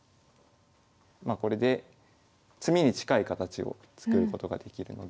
まあこれで詰みに近い形を作ることができるので。